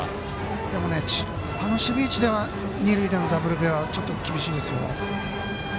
でも、あの守備位置では二塁でのダブルプレーはちょっと厳しいですよ。